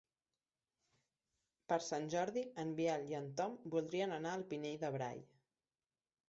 Per Sant Jordi en Biel i en Tom voldrien anar al Pinell de Brai.